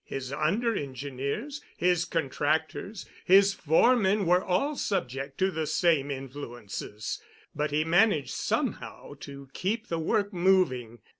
His under engineers, his contractors, his foremen were all subject to the same influences, but he managed somehow to keep the work moving.